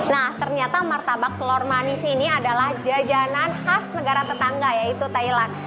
nah ternyata martabak telur manis ini adalah jajanan khas negara tetangga yaitu thailand